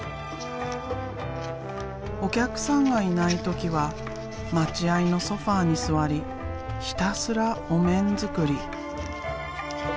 お客さんがいない時は待合のソファーに座りひたすらお面作り。